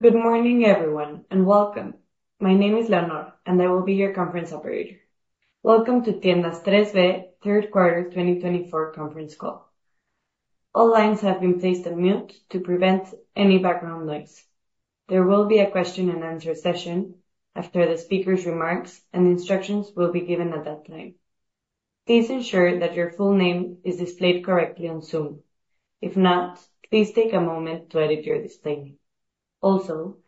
Good morning, everyone, and welcome. My name is Leonor, and I will be your conference operator. Welcome to Tiendas 3B Third Quarter 2024 Conference Call. All lines have been placed on mute to prevent any background noise. There will be a question-and-answer session after the speaker's remarks, and instructions will be given at that time. Please ensure that your full name is displayed correctly on Zoom. If not, please take a moment to edit your display. Also,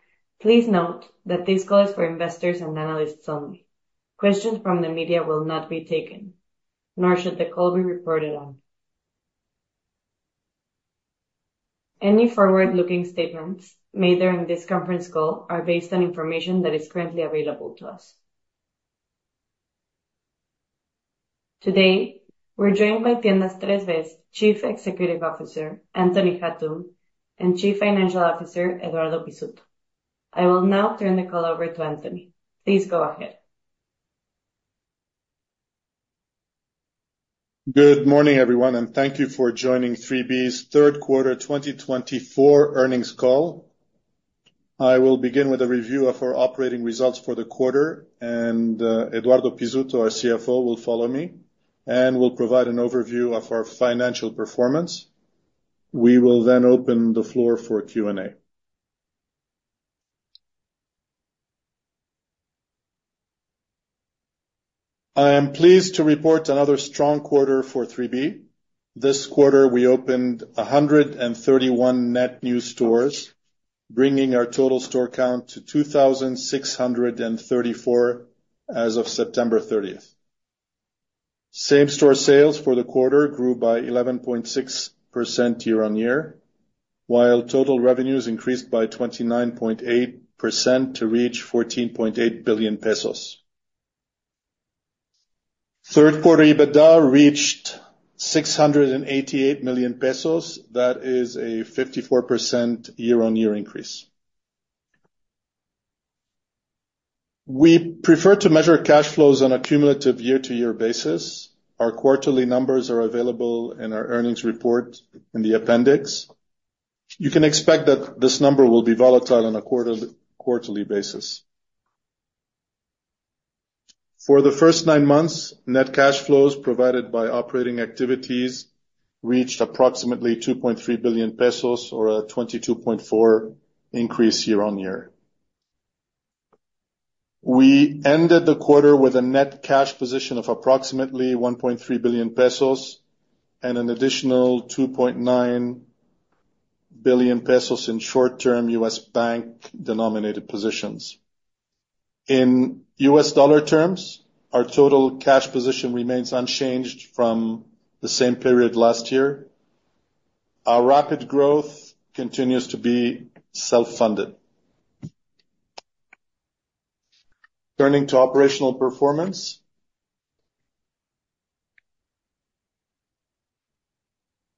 please note that this call is for investors and analysts only. Questions from the media will not be taken, nor should the call be reported on. Any forward-looking statements made during this conference call are based on information that is currently available to us. Today, we're joined by Tiendas 3B's Chief Executive Officer, Anthony Hatoum, and Chief Financial Officer, Eduardo Pizzuto. I will now turn the call over to Anthony. Please go ahead. Good morning, everyone, and thank you for joining 3B's third quarter 2024 earnings call. I will begin with a review of our operating results for the quarter, and Eduardo Pizzuto, our CFO, will follow me and will provide an overview of our financial performance. We will then open the floor for Q&A. I am pleased to report another strong quarter for 3B. This quarter, we opened 131 net new stores, bringing our total store count to 2,634 as of September 30. Same-store sales for the quarter grew by 11.6% year-on-year, while total revenues increased by 29.8% to reach 14.8 billion pesos. Third-quarter EBITDA reached 688 million pesos. That is a 54% year-on-year increase. We prefer to measure cash flows on a cumulative year-to-year basis. Our quarterly numbers are available in our earnings report in the appendix. You can expect that this number will be volatile on a quarterly basis. For the first nine months, net cash flows provided by operating activities reached approximately 2.3 billion pesos, or a 22.4% increase year-on-year. We ended the quarter with a net cash position of approximately 1.3 billion pesos and an additional 2.9 billion pesos in short-term U.S. bank-denominated positions. In US dollar terms, our total cash position remains unchanged from the same period last year. Our rapid growth continues to be self-funded. Turning to operational performance,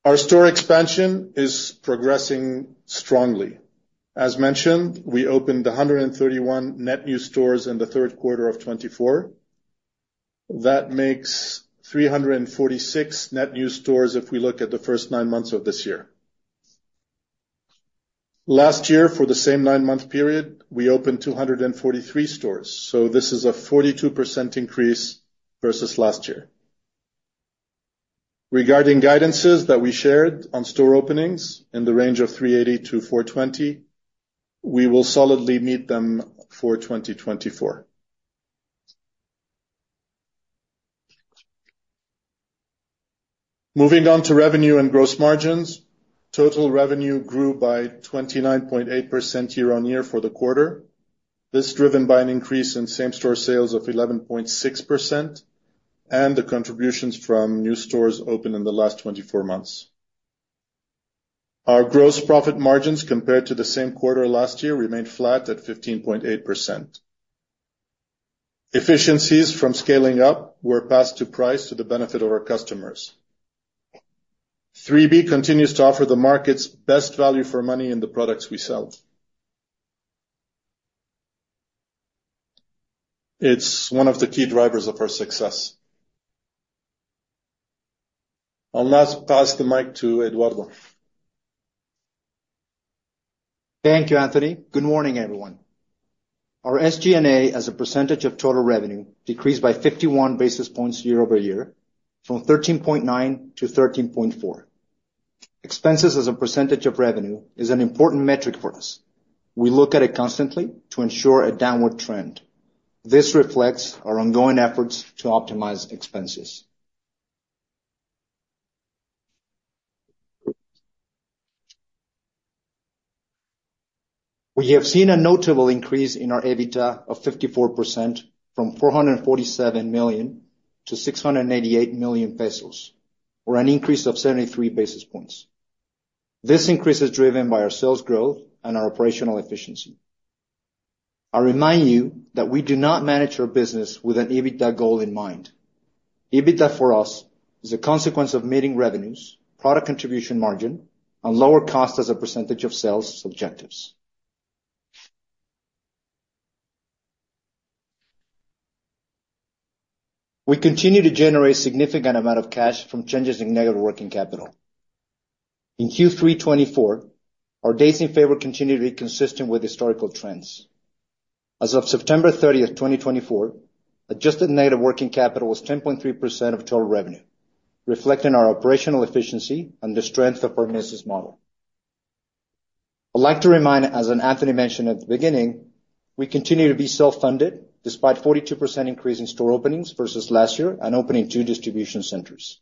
our store expansion is progressing strongly. As mentioned, we opened 131 net new stores in the third quarter of 2024. That makes 346 net new stores if we look at the first nine months of this year. Last year, for the same nine-month period, we opened 243 stores, so this is a 42% increase versus last year. Regarding guidances that we shared on store openings in the range of 380 to 420, we will solidly meet them for 2024. Moving on to revenue and gross margins, total revenue grew by 29.8% year-on-year for the quarter, this driven by an increase in same-store sales of 11.6% and the contributions from new stores opened in the last 24 months. Our gross profit margins compared to the same quarter last year remained flat at 15.8%. Efficiencies from scaling up were passed to price to the benefit of our customers. 3B continues to offer the market's best value for money in the products we sell. It's one of the key drivers of our success. I'll now pass the mic to Eduardo. Thank you, Anthony. Good morning, everyone. Our SG&A, as a percentage of total revenue, has decreased by 51 basis points year-over-year, from 13.9% to 13.4%. Expenses as a percentage of revenue is an important metric for us. We look at it constantly to ensure a downward trend. This reflects our ongoing efforts to optimize expenses. We have seen a notable increase in our EBITDA of 54% from 447 million to 688 million pesos, or an increase of 73 basis points. This increase is driven by our sales growth and our operational efficiency. I remind you that we do not manage our business with an EBITDA goal in mind. EBITDA for us is a consequence of meeting revenues, product contribution margin, and lower cost as a percentage of sales objectives. We continue to generate a significant amount of cash from changes in negative working capital. In Q3 2024, our days in favor continue to be consistent with historical trends. As of September 30, 2024, adjusted negative working capital was 10.3% of total revenue, reflecting our operational efficiency and the strength of our business model. I'd like to remind, as Anthony mentioned at the beginning, we continue to be self-funded despite a 42% increase in store openings versus last year and opening two distribution centers.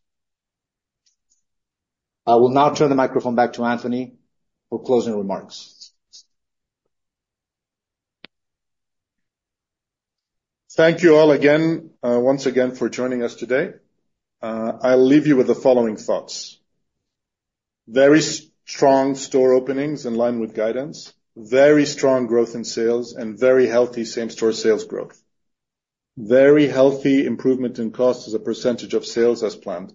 I will now turn the microphone back to Anthony for closing remarks. Thank you all again, once again, for joining us today. I'll leave you with the following thoughts: very strong store openings in line with guidance, very strong growth in sales, and very healthy same-store sales growth, very healthy improvement in cost as a percentage of sales as planned.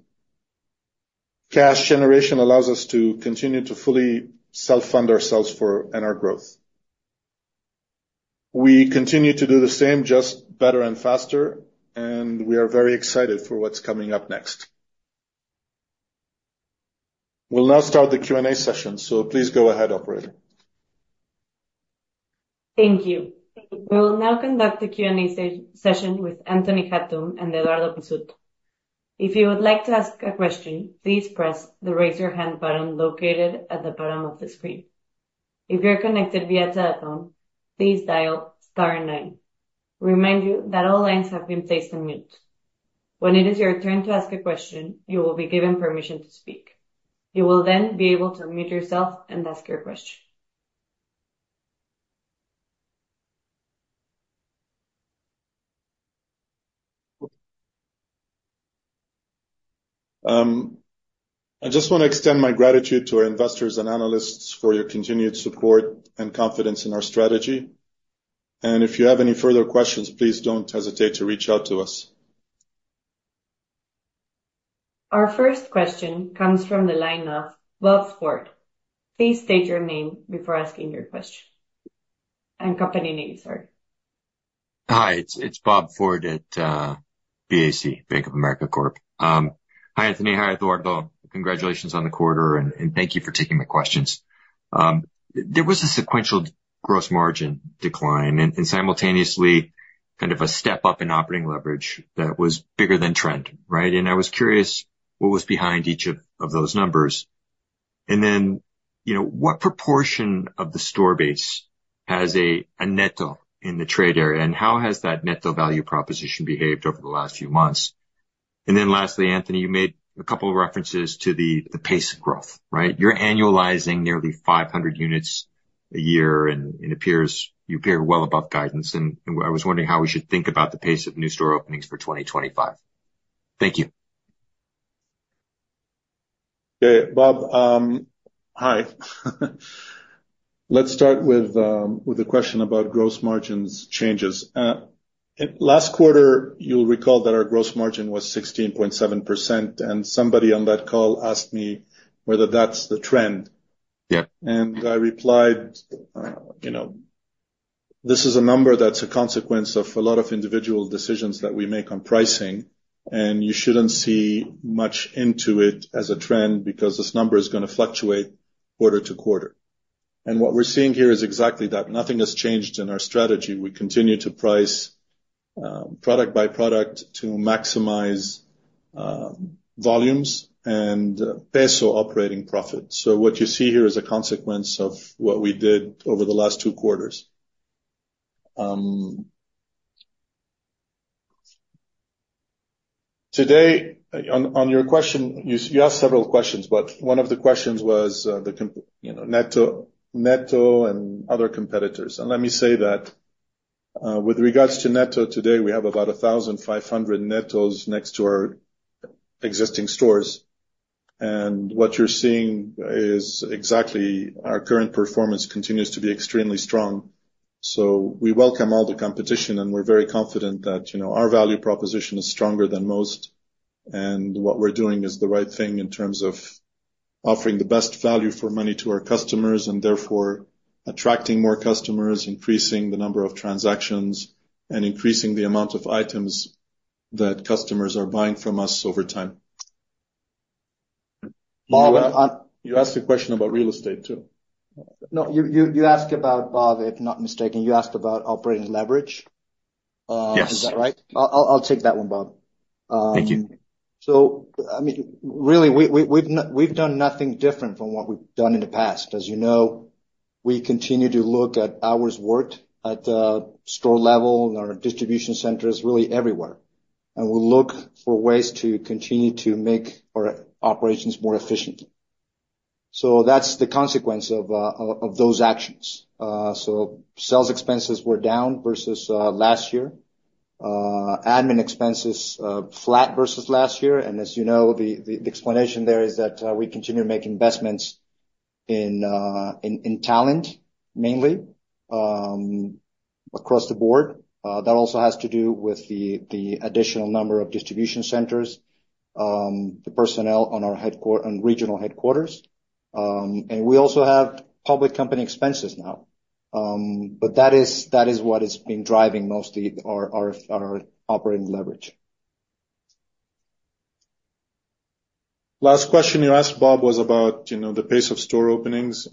Cash generation allows us to continue to fully self-fund ourselves and our growth. We continue to do the same, just better and faster, and we are very excited for what's coming up next. We'll now start the Q&A session, so please go ahead, operator. Thank you. We will now conduct the Q&A session with Anthony Hatoum and Eduardo Pizzuto. If you would like to ask a question, please press the raise-your-hand button located at the bottom of the screen. If you're connected via telephone, please dial star nine. We remind you that all lines have been placed on mute. When it is your turn to ask a question, you will be given permission to speak. You will then be able to unmute yourself and ask your question. I just want to extend my gratitude to our investors and analysts for your continued support and confidence in our strategy. And if you have any further questions, please don't hesitate to reach out to us. Our first question comes from the line of Bob Ford. Please state your name before asking your question and company name, sorry. Hi, it's Bob Ford at BAC, Bank of America Corp. Hi, Anthony. Hi, Eduardo. Congratulations on the quarter, and thank you for taking my questions. There was a sequential gross margin decline and simultaneously kind of a step-up in operating leverage that was bigger than trend, right? And I was curious what was behind each of those numbers. And then what proportion of the store base has a Neto in the trade area, and how has that Neto value proposition behaved over the last few months? And then lastly, Anthony, you made a couple of references to the pace of growth, right? You're annualizing nearly 500 units a year, and it appears you are well above guidance. And I was wondering how we should think about the pace of new store openings for 2025. Thank you. Okay, Bob. Hi. Let's start with a question about gross margin changes. Last quarter, you'll recall that our gross margin was 16.7%, and somebody on that call asked me whether that's the trend. And I replied, "This is a number that's a consequence of a lot of individual decisions that we make on pricing, and you shouldn't see much into it as a trend because this number is going to fluctuate quarter to quarter." And what we're seeing here is exactly that. Nothing has changed in our strategy. We continue to price product by product to maximize volumes and peso operating profit. So what you see here is a consequence of what we did over the last two quarters. Today, on your question, you asked several questions, but one of the questions was the Neto and other competitors. Let me say that with regards to Neto today, we have about 1,500 Netos next to our existing stores. What you're seeing is exactly our current performance continues to be extremely strong. We welcome all the competition, and we're very confident that our value proposition is stronger than most, and what we're doing is the right thing in terms of offering the best value for money to our customers and therefore attracting more customers, increasing the number of transactions, and increasing the amount of items that customers are buying from us over time. Bob You asked a question about real estate, too. No, you asked about, Bob, if I'm not mistaken, you asked about operating leverage. Yes. Is that right? I'll take that one, Bob. Thank you. So, I mean, really, we've done nothing different from what we've done in the past. As you know, we continue to look at hours worked at the store level and our distribution centers, really everywhere. And we'll look for ways to continue to make our operations more efficient. So that's the consequence of those actions. So sales expenses were down versus last year. Admin expenses flat versus last year. And as you know, the explanation there is that we continue to make investments in talent, mainly, across the board. That also has to do with the additional number of distribution centers, the personnel on our regional headquarters. And we also have public company expenses now, but that is what is being driving mostly our operating leverage. Last question you asked, Bob, was about the pace of store openings.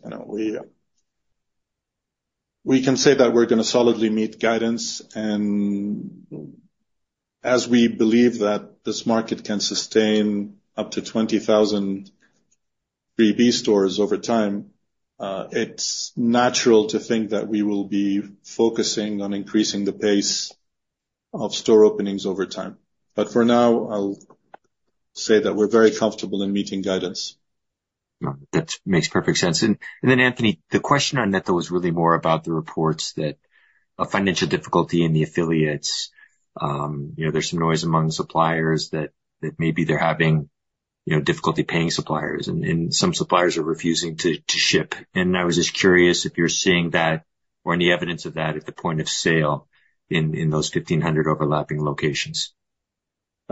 We can say that we're going to solidly meet guidance, and as we believe that this market can sustain up to 20,000 3B stores over time, it's natural to think that we will be focusing on increasing the pace of store openings over time, but for now, I'll say that we're very comfortable in meeting guidance. That makes perfect sense. And then, Anthony, the question on Neto was really more about the reports that a financial difficulty in the affiliates. There's some noise among suppliers that maybe they're having difficulty paying suppliers, and some suppliers are refusing to ship. And I was just curious if you're seeing that or any evidence of that at the point of sale in those 1,500 overlapping locations.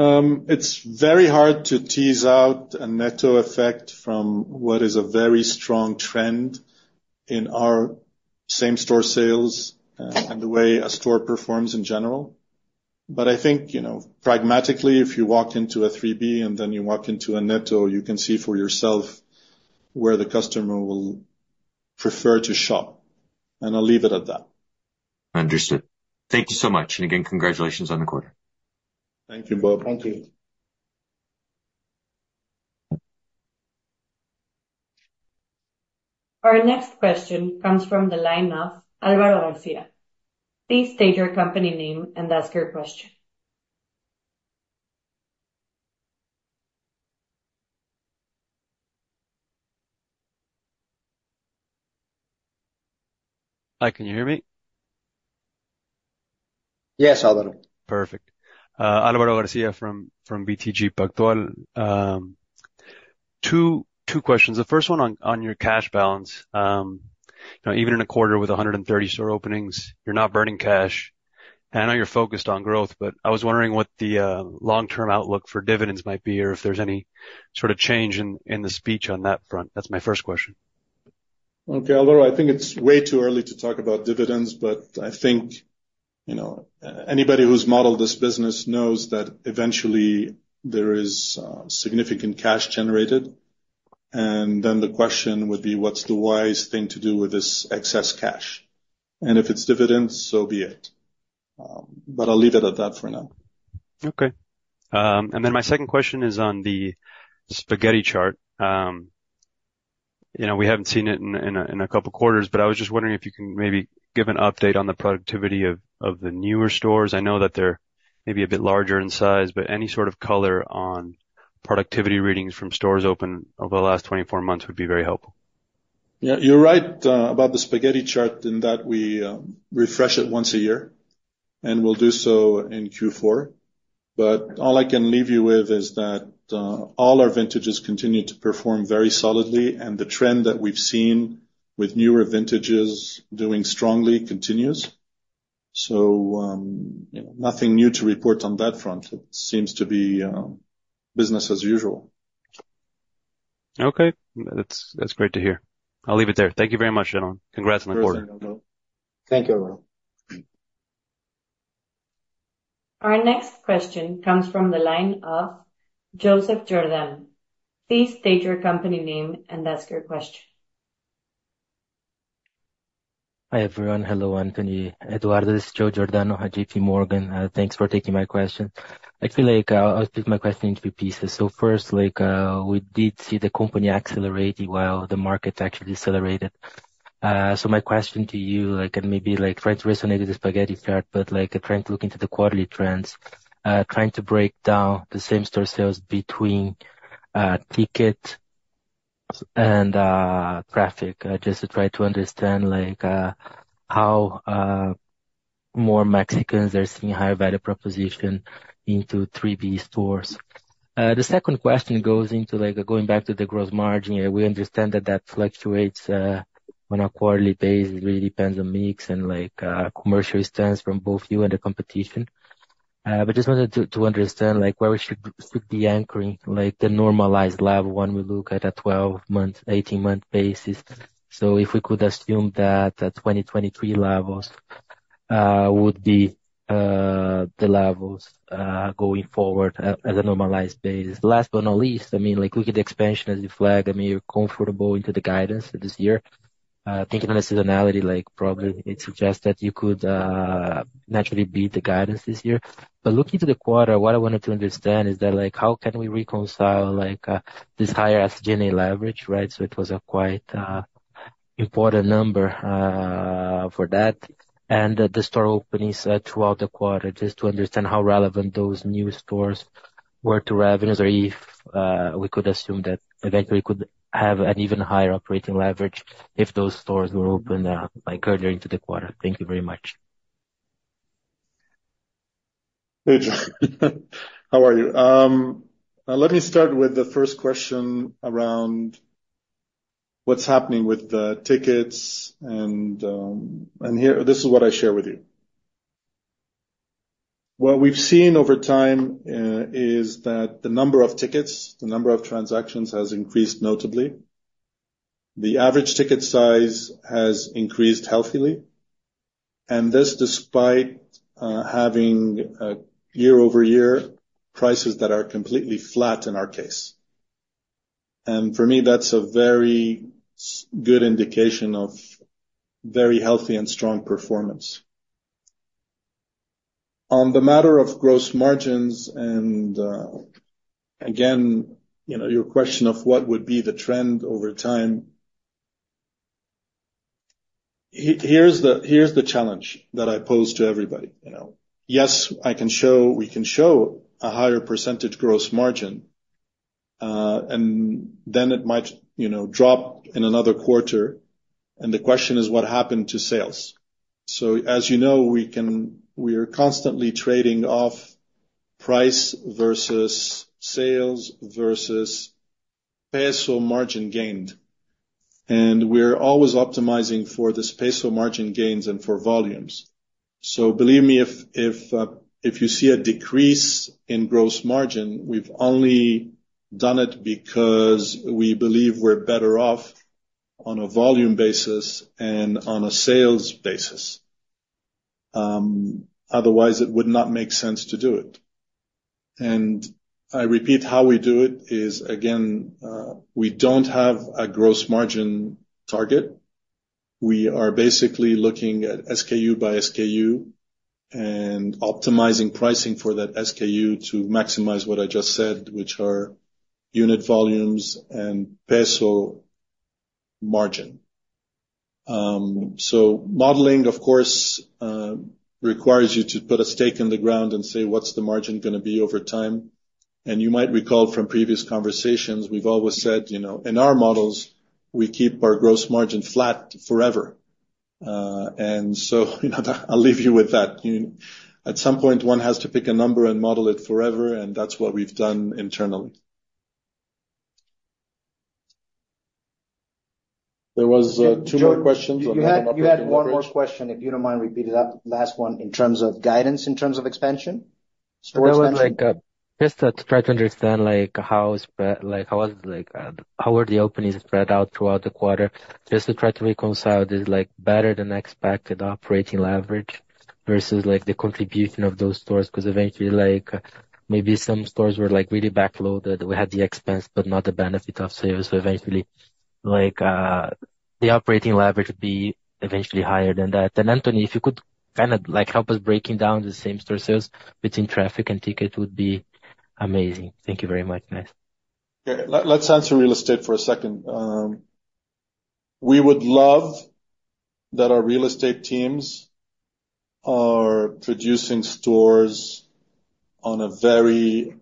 It's very hard to tease out a Neto effect from what is a very strong trend in our same-store sales and the way a store performs in general. But I think pragmatically, if you walk into a 3B and then you walk into a Neto, you can see for yourself where the customer will prefer to shop. And I'll leave it at that. Understood. Thank you so much. And again, congratulations on the quarter. Thank you, Bob. Thank you. Our next question comes from the line of Álvaro García. Please state your company name and ask your question. Hi, can you hear me? Yes, Alvaro. Perfect. Álvaro García from BTG Pactual. Two questions. The first one on your cash balance. Even in a quarter with 130 store openings, you're not burning cash. And I know you're focused on growth, but I was wondering what the long-term outlook for dividends might be or if there's any sort of change in the speech on that front. That's my first question. Okay, Álvaro, I think it's way too early to talk about dividends, but I think anybody who's modeled this business knows that eventually there is significant cash generated. And then the question would be, what's the wise thing to do with this excess cash? And if it's dividends, so be it. But I'll leave it at that for now. Okay. And then my second question is on the spaghetti chart. We haven't seen it in a couple of quarters, but I was just wondering if you can maybe give an update on the productivity of the newer stores. I know that they're maybe a bit larger in size, but any sort of color on productivity readings from stores open over the last 24 months would be very helpful. Yeah, you're right about the spaghetti chart in that we refresh it once a year, and we'll do so in Q4. But all I can leave you with is that all our vintages continue to perform very solidly, and the trend that we've seen with newer vintages doing strongly continues. So nothing new to report on that front. It seems to be business as usual. Okay. That's great to hear. I'll leave it there. Thank you very much, gentlemen. Congrats on the quarter. Thank you, Álvaro. Our next question comes from the line of Joseph Giordano. Please state your company name and ask your question. Hi, everyone. Hello, Anthony. Eduardo Pizzuto, Joseph Giordano, J.P. Morgan. Thanks for taking my question. I feel like I'll split my question into two pieces. So first, we did see the company accelerate while the market actually decelerated. So my question to you, and maybe trying to resonate with the spaghetti chart, but trying to look into the quarterly trends, trying to break down the same-store sales between ticket and traffic just to try to understand how more Mexicans are seeing higher value proposition into 3B stores. The second question goes into going back to the gross margin. We understand that that fluctuates on a quarterly basis. It really depends on mix and commercial stands from both you and the competition. But I just wanted to understand where we should be anchoring the normalized level when we look at a 12-month, 18-month basis. So if we could assume that 2023 levels would be the levels going forward as a normalized basis. Last but not least, I mean, looking at the expansion as you flag, I mean, you're comfortable into the guidance this year. Thinking on the seasonality, probably it suggests that you could naturally beat the guidance this year. But looking to the quarter, what I wanted to understand is that how can we reconcile this higher SG&A leverage, right? So it was a quite important number for that. And the store openings throughout the quarter, just to understand how relevant those new stores were to revenues, or if we could assume that eventually we could have an even higher operating leverage if those stores were opened earlier into the quarter. Thank you very much. Hey, Joe. How are you? Let me start with the first question around what's happening with the tickets, and this is what I share with you. What we've seen over time is that the number of tickets, the number of transactions has increased notably. The average ticket size has increased healthily, and this despite having year-over-year prices that are completely flat in our case, and for me, that's a very good indication of very healthy and strong performance. On the matter of gross margins, and again, your question of what would be the trend over time, here's the challenge that I pose to everybody. Yes, we can show a higher percentage gross margin, and then it might drop in another quarter, and the question is, what happened to sales, so as you know, we are constantly trading off price versus sales versus peso margin gained. And we're always optimizing for this peso margin gains and for volumes. So believe me, if you see a decrease in gross margin, we've only done it because we believe we're better off on a volume basis and on a sales basis. Otherwise, it would not make sense to do it. And I repeat, how we do it is, again, we don't have a gross margin target. We are basically looking at SKU by SKU and optimizing pricing for that SKU to maximize what I just said, which are unit volumes and peso margin. So modeling, of course, requires you to put a stake in the ground and say, "What's the margin going to be over time?" And you might recall from previous conversations, we've always said, "In our models, we keep our gross margin flat forever." And so I'll leave you with that. At some point, one has to pick a number and model it forever, and that's what we've done internally. There were two more questions. You had one more question, if you don't mind repeating that last one in terms of guidance, in terms of expansion? There was just to try to understand how were the openings spread out throughout the quarter, just to try to reconcile this better than expected operating leverage versus the contribution of those stores. Because eventually, maybe some stores were really backloaded. We had the expense, but not the benefit of sales. So eventually, the operating leverage would be eventually higher than that. And Anthony, if you could kind of help us break down the same-store sales between traffic and ticket would be amazing. Thank you very much. Okay. Let's answer real estate for a second. We would love that our real estate teams are producing stores on a very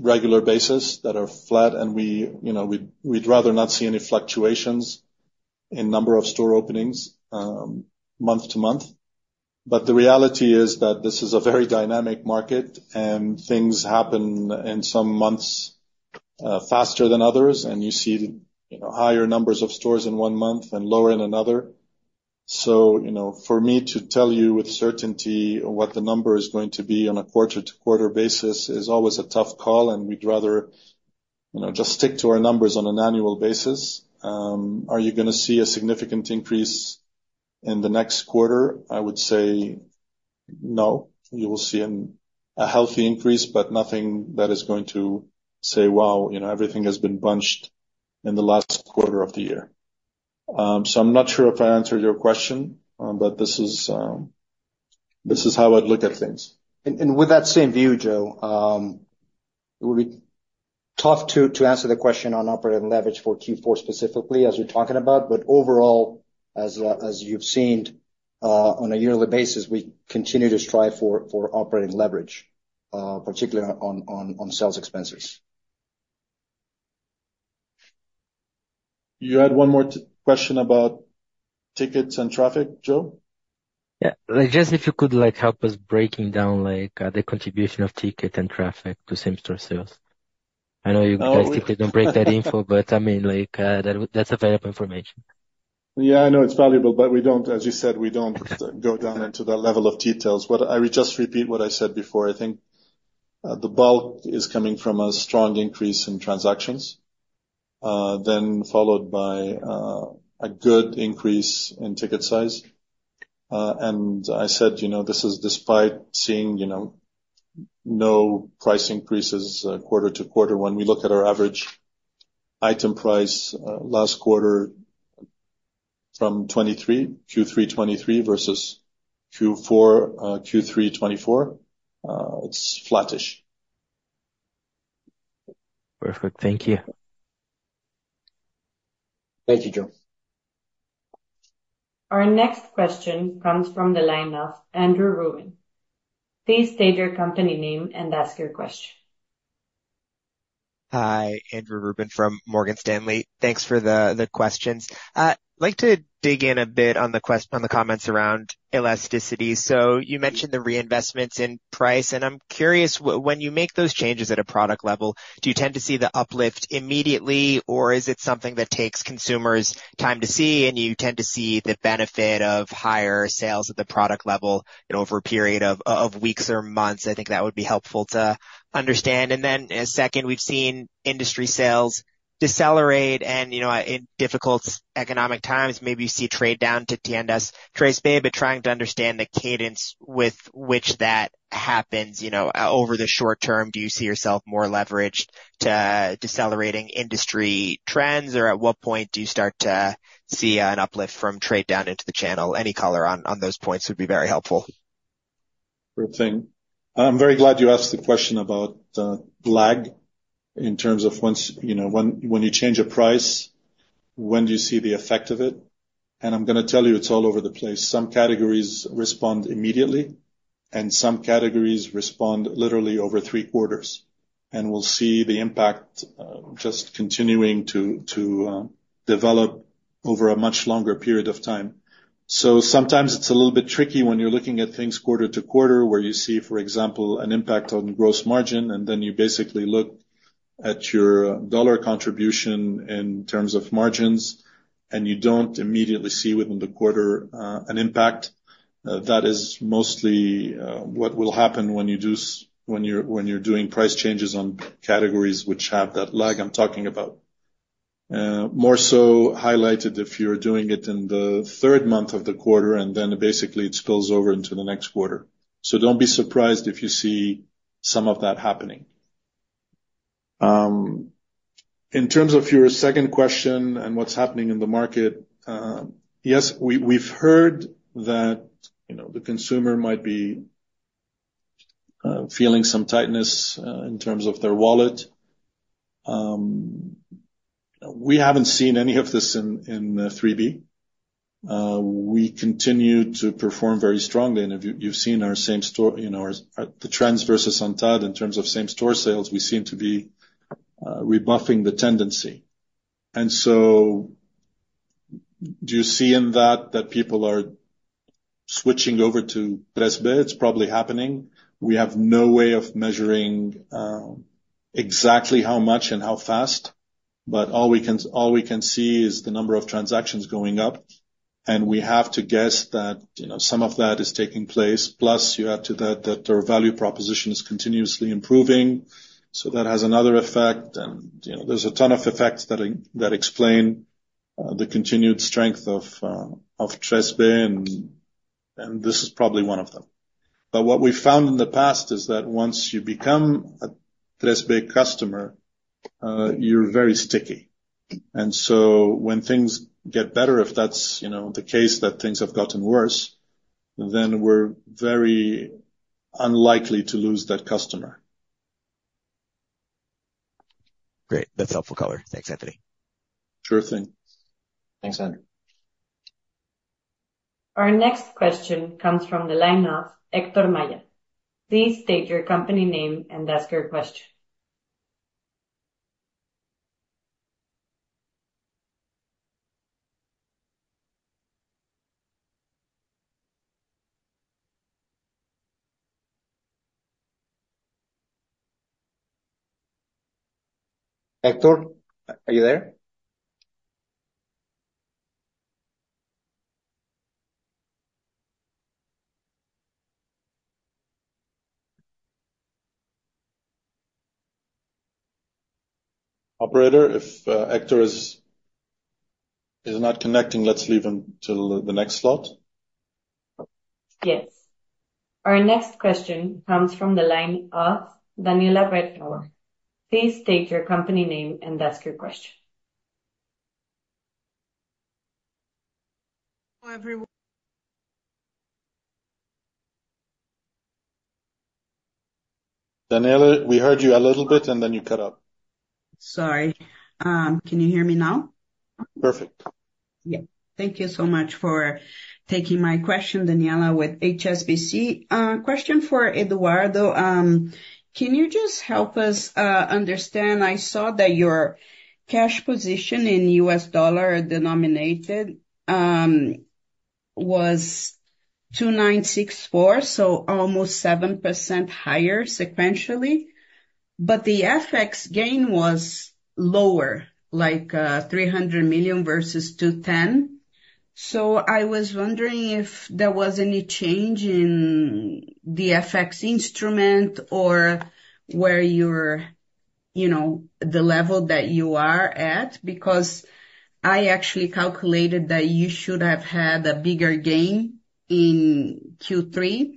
regular basis that are flat, and we'd rather not see any fluctuations in number of store openings month to month. But the reality is that this is a very dynamic market, and things happen in some months faster than others, and you see higher numbers of stores in one month and lower in another. So for me to tell you with certainty what the number is going to be on a quarter-to-quarter basis is always a tough call, and we'd rather just stick to our numbers on an annual basis. Are you going to see a significant increase in the next quarter? I would say no. You will see a healthy increase, but nothing that is going to say, "Wow, everything has been bunched in the last quarter of the year." So I'm not sure if I answered your question, but this is how I'd look at things. With that same view, Joe, it would be tough to answer the question on operating leverage for Q4 specifically as we're talking about. But overall, as you've seen, on a yearly basis, we continue to strive for operating leverage, particularly on sales expenses. You had one more question about tickets and traffic, Joe? Yeah. Just if you could help us break down the contribution of ticket and traffic to same-store sales. I know you guys typically don't break that info, but I mean, that's available information. Yeah, I know it's valuable, but as you said, we don't go down into that level of details. But I would just repeat what I said before. I think the bulk is coming from a strong increase in transactions, then followed by a good increase in ticket size. And I said this is despite seeing no price increases quarter to quarter. When we look at our average item price last quarter from Q3 2023 versus Q4 2024, it's flattish. Perfect. Thank you. Thank you, Joe. Our next question comes from the line of Andrew Ruben. Please state your company name and ask your question. Hi, Andrew Ruben from Morgan Stanley. Thanks for the questions. I'd like to dig in a bit on the comments around elasticity. So you mentioned the reinvestments in price, and I'm curious, when you make those changes at a product level, do you tend to see the uplift immediately, or is it something that takes consumers time to see, and you tend to see the benefit of higher sales at the product level over a period of weeks or months? I think that would be helpful to understand, and then second, we've seen industry sales decelerate, and in difficult economic times, maybe you see trade down to Tiendas 3B, but trying to understand the cadence with which that happens over the short term. Do you see yourself more leveraged to decelerating industry trends, or at what point do you start to see an uplift from trade down into the channel? Any color on those points would be very helpful. Great thing. I'm very glad you asked the question about lag in terms of when you change a price, when do you see the effect of it, and I'm going to tell you, it's all over the place. Some categories respond immediately, and some categories respond literally over three quarters, and we'll see the impact just continuing to develop over a much longer period of time. Sometimes it's a little bit tricky when you're looking at things quarter to quarter, where you see, for example, an impact on gross margin, and then you basically look at your dollar contribution in terms of margins, and you don't immediately see within the quarter an impact. That is mostly what will happen when you're doing price changes on categories which have that lag I'm talking about. More so highlighted if you're doing it in the third month of the quarter, and then basically it spills over into the next quarter. So don't be surprised if you see some of that happening. In terms of your second question and what's happening in the market, yes, we've heard that the consumer might be feeling some tightness in terms of their wallet. We haven't seen any of this in 3B. We continue to perform very strongly. And if you've seen our same-store, the trends versus Neto in terms of same-store sales, we seem to be rebuffing the tendency. And so do you see in that that people are switching over to 3B? It's probably happening. We have no way of measuring exactly how much and how fast, but all we can see is the number of transactions going up. We have to guess that some of that is taking place. Plus, you add to that that our value proposition is continuously improving. That has another effect. There's a ton of effects that explain the continued strength of Tiendas 3B, and this is probably one of them. What we found in the past is that once you become a Tiendas 3B customer, you're very sticky. When things get better, if that's the case, that things have gotten worse, then we're very unlikely to lose that customer. Great. That's helpful color. Thanks, Anthony. Sure thing. Thanks, Andrew. Our next question comes from the line of Hector Maya. Please state your company name and ask your question. Héctor, are you there? Operator, if Héctor is not connecting, let's leave him till the next slot. Yes. Our next question comes from the line of Daniela Bretthauer. Please state your company name and ask your question. Hello, everyone. Daniela, we heard you a little bit, and then you cut up. Sorry. Can you hear me now? Perfect. Yeah. Thank you so much for taking my question, Daniela, with HSBC. Question for Eduardo. Can you just help us understand? I saw that your cash position in U.S. dollar-denominated was $2,964, so almost 7% higher sequentially, but the FX gain was lower, like 300 million versus 210. So I was wondering if there was any change in the FX instrument or the level that you are at, because I actually calculated that you should have had a bigger gain in Q3.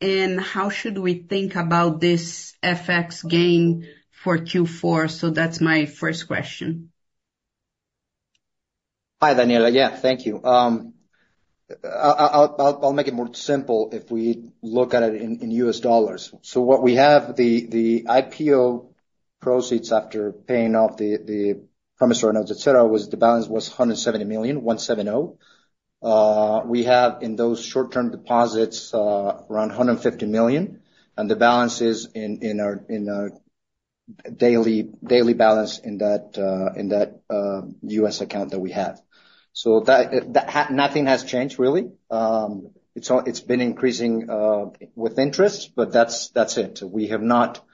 And how should we think about this FX gain for Q4? So that's my first question. Hi, Daniela. Yeah, thank you. I'll make it more simple if we look at it in U.S. dollars. So what we have, the IPO proceeds after paying off the promissory notes, etc., was the balance was $170 million, 170. We have in those short-term deposits around $150 million, and the balance is in our daily balance in that U.S. account that we have. So nothing has changed, really. It's been increasing with interest, but that's it. We have not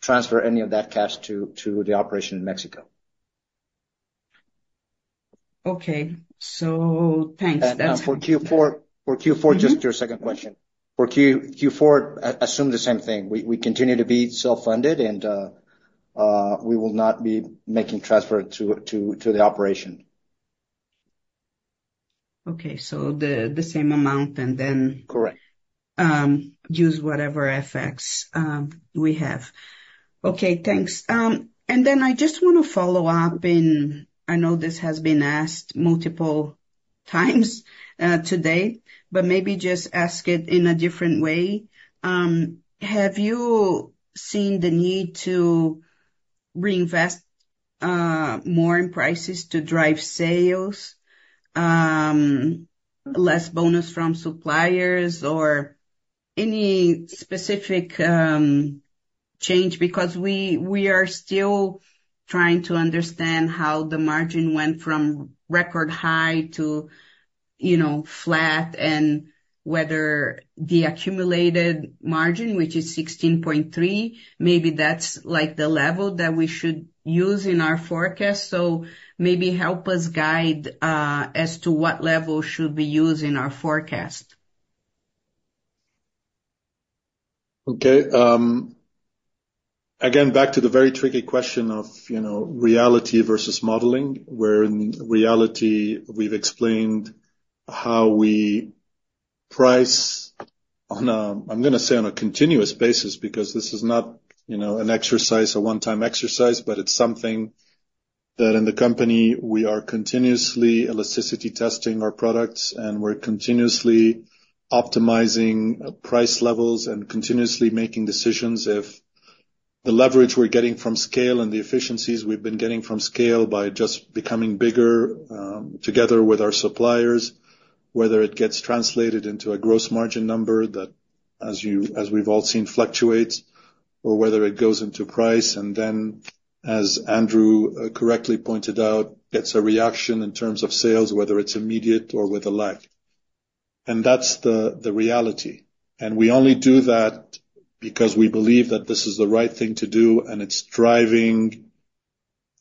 transferred any of that cash to the operation in Mexico. Okay, so thanks. For Q4, just your second question. For Q4, assume the same thing. We continue to be self-funded, and we will not be making transfer to the operation. Okay. So the same amount, and then use whatever FX we have. Okay. Thanks. And then I just want to follow up, and I know this has been asked multiple times today, but maybe just ask it in a different way. Have you seen the need to reinvest more in prices to drive sales, less bonus from suppliers, or any specific change? Because we are still trying to understand how the margin went from record high to flat, and whether the accumulated margin, which is 16.3, maybe that's the level that we should use in our forecast. So maybe help us guide as to what level should we use in our forecast. Okay. Again, back to the very tricky question of reality versus modeling, where in reality, we've explained how we price on a, I'm going to say on a continuous basis because this is not an exercise, a one-time exercise, but it's something that in the company, we are continuously elasticity testing our products, and we're continuously optimizing price levels and continuously making decisions. If the leverage we're getting from scale and the efficiencies we've been getting from scale by just becoming bigger together with our suppliers, whether it gets translated into a gross margin number that, as we've all seen, fluctuates, or whether it goes into price, and then, as Andrew correctly pointed out, gets a reaction in terms of sales, whether it's immediate or with a lag. And that's the reality. We only do that because we believe that this is the right thing to do, and it's driving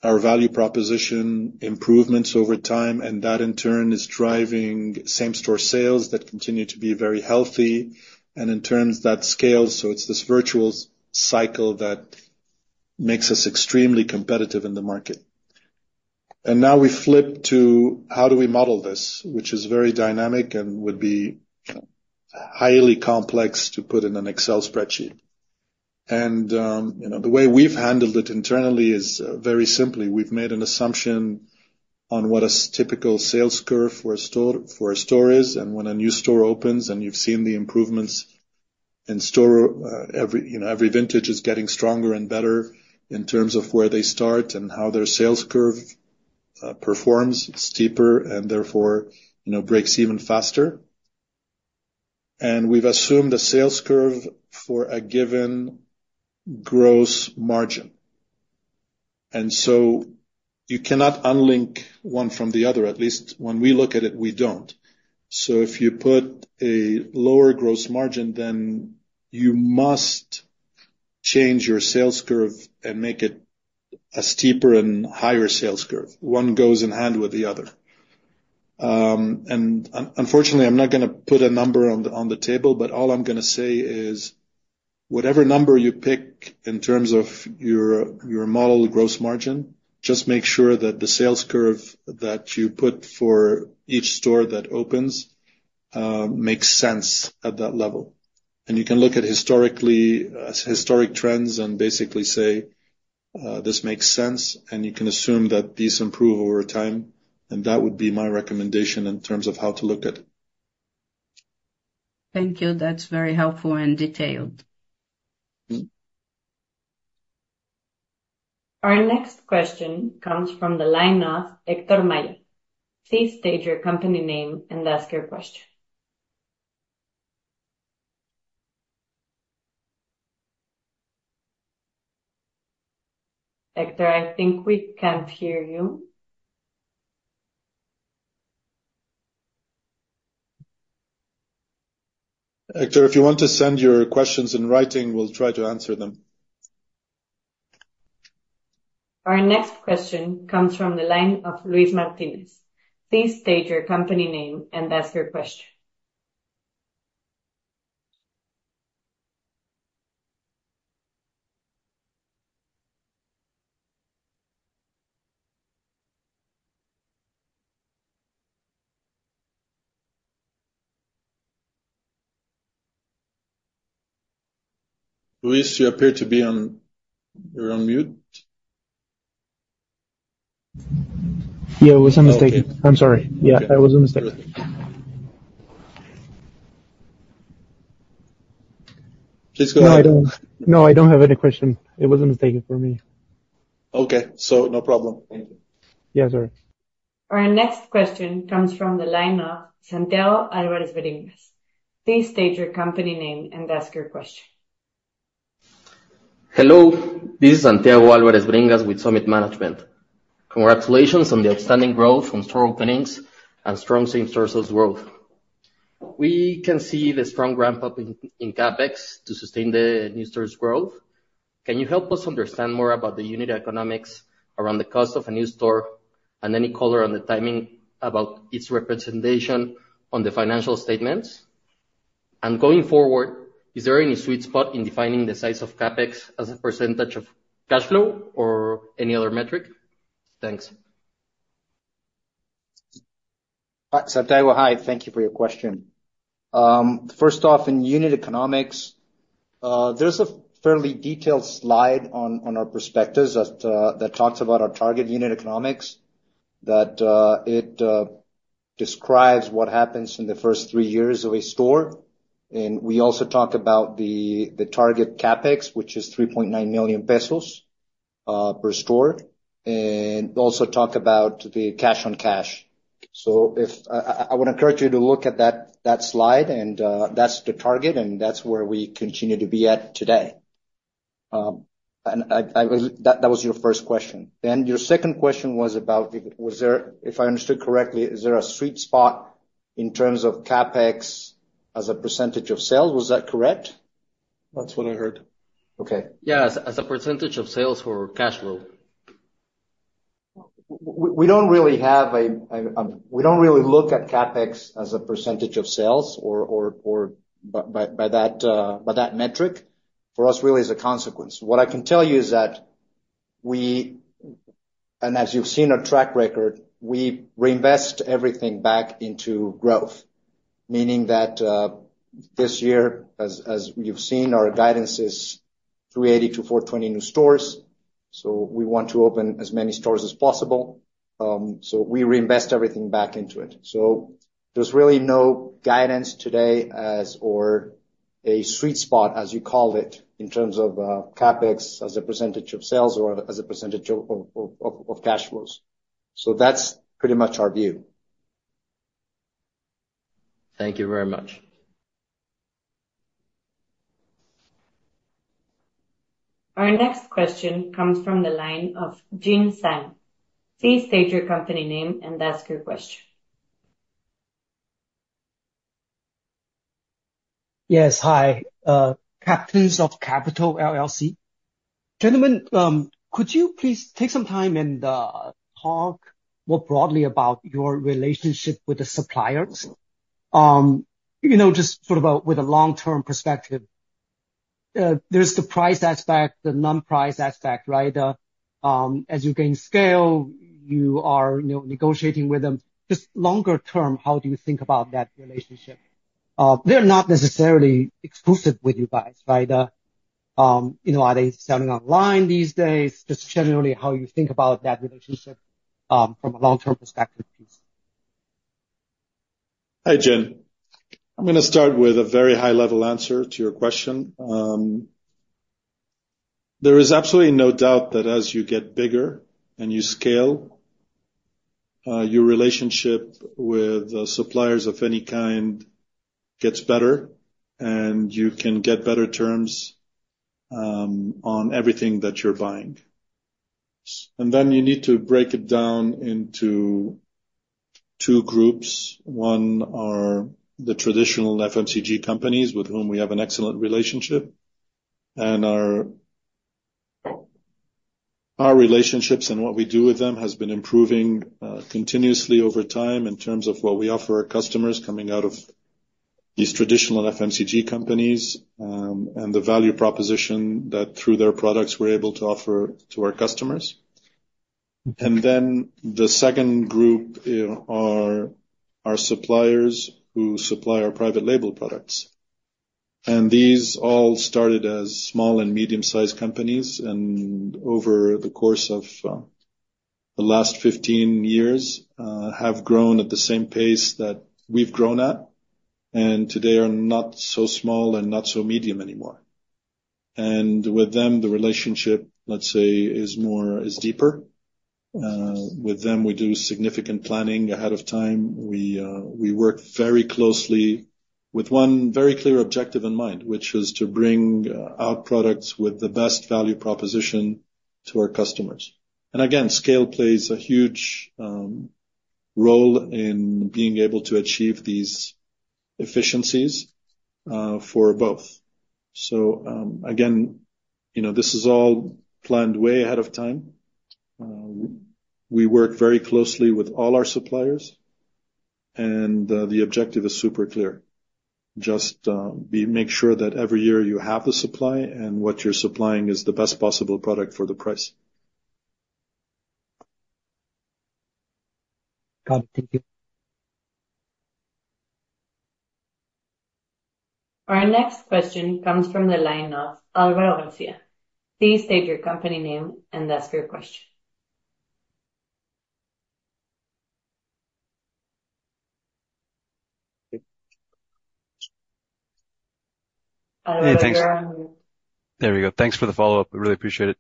our value proposition improvements over time, and that in turn is driving same-store sales that continue to be very healthy, and in terms that scales. It's this virtuous cycle that makes us extremely competitive in the market. Now we flip to how do we model this, which is very dynamic and would be highly complex to put in an Excel spreadsheet. The way we've handled it internally is very simply. We've made an assumption on what a typical sales curve for a store is, and when a new store opens and you've seen the improvements in store, every vintage is getting stronger and better in terms of where they start and how their sales curve performs. It's steeper and therefore breaks even faster. We've assumed a sales curve for a given gross margin. And so you cannot unlink one from the other. At least when we look at it, we don't. So if you put a lower gross margin, then you must change your sales curve and make it a steeper and higher sales curve. One goes hand in hand with the other. And unfortunately, I'm not going to put a number on the table, but all I'm going to say is whatever number you pick in terms of your model gross margin, just make sure that the sales curve that you put for each store that opens makes sense at that level. And you can look at historic trends and basically say, "This makes sense," and you can assume that these improve over time. And that would be my recommendation in terms of how to look at it. Thank you. That's very helpful and detailed. Our next question comes from the line of Héctor Manuel Maya López. Please state your company name and ask your question. Hector, I think we can't hear you. Hector, if you want to send your questions in writing, we'll try to answer them. Our next question comes from the line of Luis Martinez. Please state your company name and ask your question. Luis, you appear to be on. You're on mute. Yeah, it was a mistake. I'm sorry. Yeah, it was a mistake. Please go ahead. No, I don't have any question. It was a mistake for me. Okay, so no problem. Thank you. Yeah, sorry. Our next question comes from the line of Santiago Álvarez Beringas. Please state your company name and ask your question. Hello. This is Santiago Álvarez Bringas with Summit Management. Congratulations on the outstanding growth from store openings and strong same-store sales growth. We can see the strong ramp-up in CapEx to sustain the new stores' growth. Can you help us understand more about the unit economics around the cost of a new store and any color on the timing about its representation on the financial statements? And going forward, is there any sweet spot in defining the size of CapEx as a percentage of cash flow or any other metric? Thanks. Santiago, hi. Thank you for your question. First off, in unit economics, there's a fairly detailed slide on our perspectives that talks about our target unit economics. It describes what happens in the first three years of a store. And we also talk about the target CapEx, which is 3.9 million pesos per store, and also talk about the cash on cash. So I would encourage you to look at that slide, and that's the target, and that's where we continue to be at today. That was your first question. And your second question was about, if I understood correctly, is there a sweet spot in terms of CapEx as a percentage of sales? Was that correct? That's what I heard. Okay. Yeah, as a percentage of sales for cash flow. We don't really have a, we don't really look at CapEx as a percentage of sales or by that metric. For us, really, it's a consequence. What I can tell you is that we, and as you've seen our track record, we reinvest everything back into growth, meaning that this year, as you've seen, our guidance is 380-420 new stores. So we want to open as many stores as possible. So we reinvest everything back into it. So there's really no guidance today as or a sweet spot, as you called it, in terms of CapEx as a percentage of sales or as a percentage of cash flows. So that's pretty much our view. Thank you very much. Our next question comes from the line of Jin Zhang. Please state your company name and ask your question. Yes, hi. Captains of Capital LLC. Gentlemen, could you please take some time and talk more broadly about your relationship with the suppliers? Just sort of with a long-term perspective, there's the price aspect, the non-price aspect, right? As you gain scale, you are negotiating with them. Just longer term, how do you think about that relationship? They're not necessarily exclusive with you guys, right? Are they selling online these days? Just generally, how you think about that relationship from a long-term perspective piece. Hi, Jin. I'm going to start with a very high-level answer to your question. There is absolutely no doubt that as you get bigger and you scale, your relationship with suppliers of any kind gets better, and you can get better terms on everything that you're buying. And then you need to break it down into two groups. One are the traditional FMCG companies with whom we have an excellent relationship, and our relationships and what we do with them has been improving continuously over time in terms of what we offer our customers coming out of these traditional FMCG companies and the value proposition that through their products we're able to offer to our customers. And then the second group are our suppliers who supply our private label products. These all started as small and medium-sized companies and over the course of the last 15 years have grown at the same pace that we've grown at, and today are not so small and not so medium anymore. With them, the relationship, let's say, is deeper. With them, we do significant planning ahead of time. We work very closely with one very clear objective in mind, which is to bring out products with the best value proposition to our customers. Again, scale plays a huge role in being able to achieve these efficiencies for both. Again, this is all planned way ahead of time. We work very closely with all our suppliers, and the objective is super clear. Just make sure that every year you have the supply and what you're supplying is the best possible product for the price. Got it. Thank you. Our next question comes from the line of Álvaro García. Please state your company name and ask your question. Hey, thanks. There we go. Thanks for the follow-up. I really appreciate it.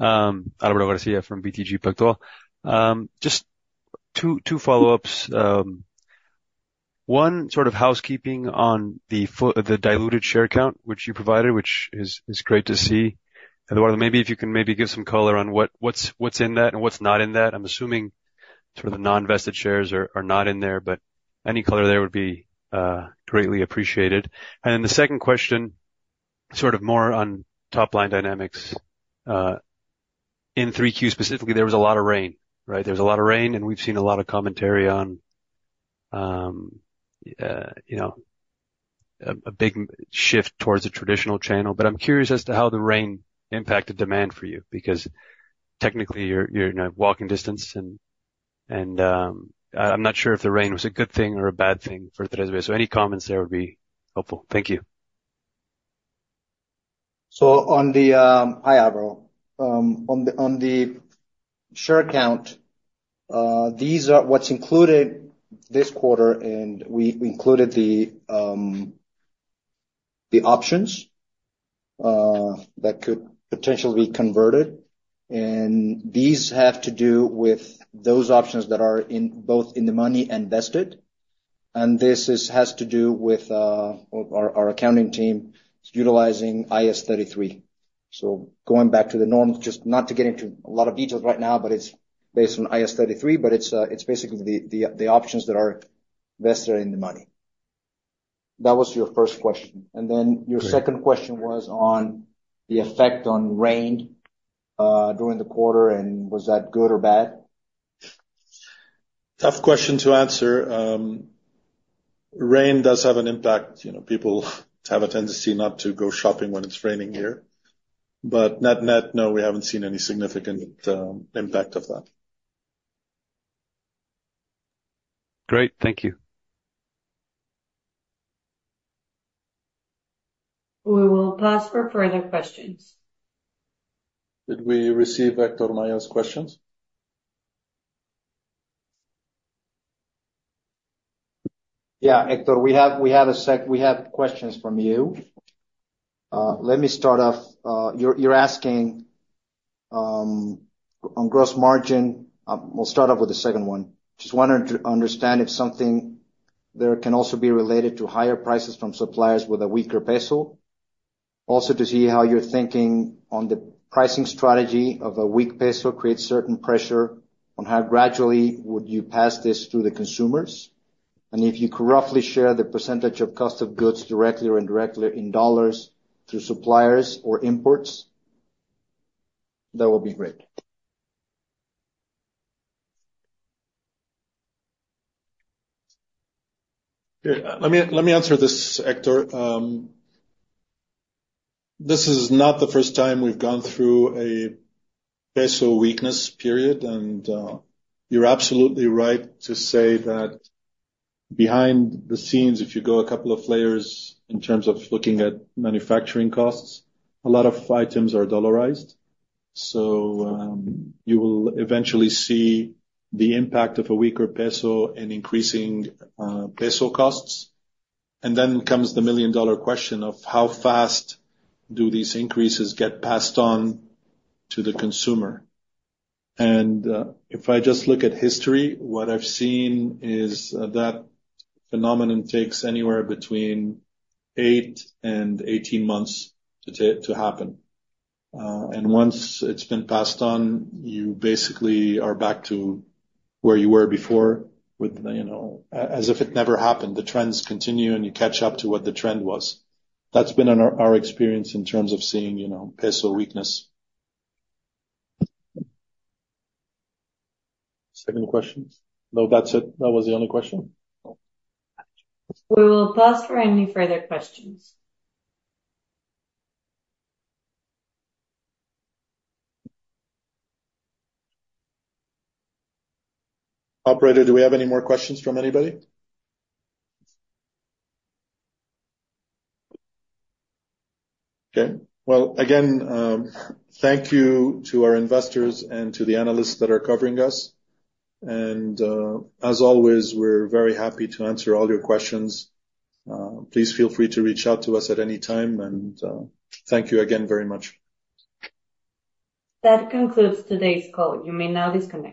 Álvaro García from BTG Pactual. Just two follow-ups. One sort of housekeeping on the diluted share count, which you provided, which is great to see. Eduardo, maybe if you can maybe give some color on what's in that and what's not in that. I'm assuming some of the non-invested shares are not in there, but any color there would be greatly appreciated. And then the second question, sort of more on top-line dynamics. In 3Q specifically, there was a lot of rain, right? There was a lot of rain, and we've seen a lot of commentary on a big shift towards a traditional channel. But I'm curious as to how the rain impacted demand for you because technically you're in a walking distance, and I'm not sure if the rain was a good thing or a bad thing for 3B. So any comments there would be helpful. Thank you. So on the, hi, Álvaro. On the share count, these are what's included this quarter, and we included the options that could potentially be converted. And these have to do with those options that are both in the money and vested. And this has to do with our accounting team utilizing IAS 33. So going back to the norm, just not to get into a lot of details right now, but it's based on IAS 33, but it's basically the options that are vested in the money. That was your first question. And then your second question was on the effect on margin during the quarter, and was that good or bad? Tough question to answer. Rain does have an impact. People have a tendency not to go shopping when it's raining here. But net, net, no, we haven't seen any significant impact of that. Great. Thank you. We will pause for further questions. Did we receive Héctor Maya's questions? Yeah, Héctor, we have questions from you. Let me start off. You're asking on gross margin. We'll start off with the second one. Just wanted to understand if something there can also be related to higher prices from suppliers with a weaker peso. Also, to see how you're thinking on the pricing strategy of a weak peso creates certain pressure on how gradually would you pass this through the consumers. And if you could roughly share the percentage of cost of goods directly or indirectly in dollars to suppliers or imports, that would be great. Let me answer this, Hector. This is not the first time we've gone through a peso weakness period, and you're absolutely right to say that behind the scenes, if you go a couple of layers in terms of looking at manufacturing costs, a lot of items are dollarized. So you will eventually see the impact of a weaker peso and increasing peso costs. And then comes the million-dollar question of how fast do these increases get passed on to the consumer. And if I just look at history, what I've seen is that phenomenon takes anywhere between eight and 18 months to happen. And once it's been passed on, you basically are back to where you were before as if it never happened. The trends continue, and you catch up to what the trend was. That's been our experience in terms of seeing peso weakness. Second question. No, that's it. That was the only question. We will pause for any further questions. Operator, do we have any more questions from anybody? Okay. Again, thank you to our investors and to the analysts that are covering us. And as always, we're very happy to answer all your questions. Please feel free to reach out to us at any time. And thank you again very much. That concludes today's call. You may now disconnect.